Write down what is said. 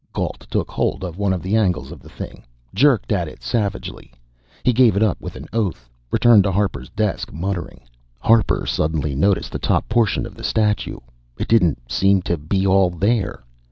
Gault took hold of one of the angles of the thing, jerked at it savagely. He gave it up with an oath, returned to Harper's desk muttering. Harper suddenly noticed the top portion of the statue. It didn't seem to be all there!